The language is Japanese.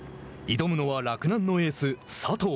挑むのは洛南のエース、佐藤。